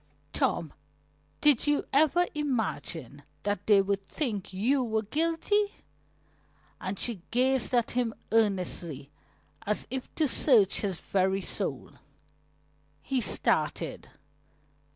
"Tom, did you ever imagine they would think you were guilty?" and she gazed at him earnestly, as if to search his very soul. He started.